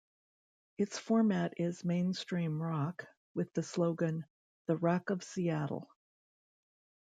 Its format is Mainstream Rock, with the slogan, "The Rock of Seattle".